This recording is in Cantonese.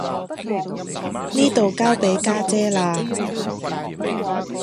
呢度交畀家姐啦